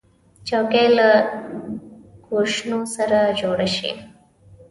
چوکۍ له کوشنو سره جوړه شي.